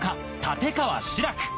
立川志らく